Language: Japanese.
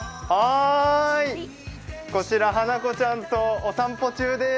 こちら花子ちゃんとお散歩中でーす。